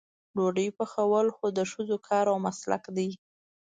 ډوډۍ پخول خو د ښځو کار او مسلک دی.